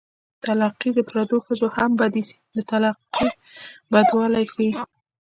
طلاقي د پردو ښځو هم بد ايسي د طلاق بدوالی ښيي